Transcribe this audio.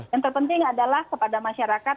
yang terpenting adalah kepada masyarakat